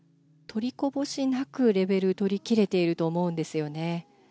取りこぼしなくレベル取り切れていると思うんですよね。